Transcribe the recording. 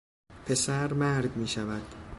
پسر مرد میشود